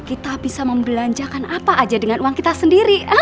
kita bisa membelanjakan apa aja dengan uang kita sendiri